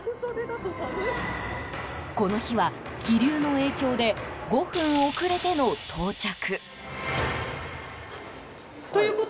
この日は気流の影響で５分遅れての到着。